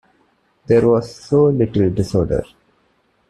There was so little disorder.